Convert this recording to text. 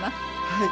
はい。